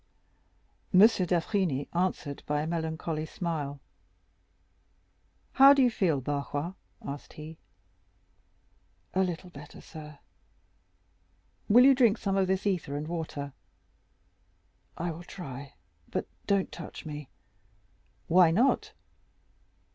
M. d'Avrigny answered by a melancholy smile. "How do you feel, Barrois?" asked he. "A little better, sir." "Will you drink some of this ether and water?" "I will try; but don't touch me." "Why not?"